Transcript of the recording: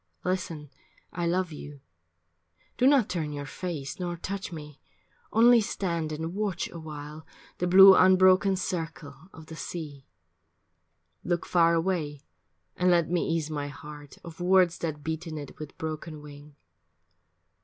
Listen, I love you. Do not turn your face Nor touch me. Only stand and watch awhile The blue unbroken circle of the sea. Look far away and let me ease my heart Of words that beat in it with broken wing.